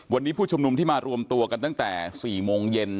วันนี้ผู้ชุมนุมที่มารวมตัวกันตั้งแต่๔โมงเย็น